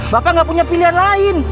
bahkan gak punya pilihan lain